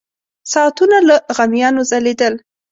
ساعتونه له غمیانو ځلېدل.